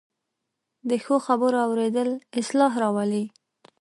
د ښو خبرو اورېدل اصلاح راولي